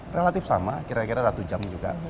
relatif sama kira kira satu jam juga